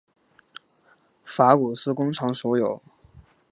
法古斯工厂所有。